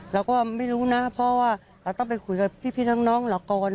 เราก็ไม่รู้นะเพราะว่าเราต้องไปคุยกับพี่น้องเราก่อน